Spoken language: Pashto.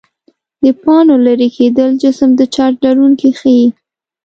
د پاڼو لیري کېدل جسم د چارج لرونکی ښيي.